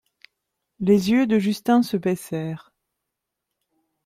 Les yeux de Justin se baissèrent.